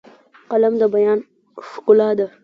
قلم د بیان ښکلا ده